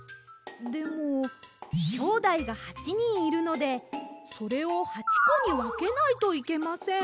でもきょうだいが８にんいるのでそれを８こにわけないといけません。